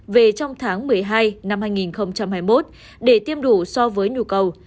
về trong tháng một mươi hai năm hai nghìn hai mươi một để tiêm đủ so với nhu cầu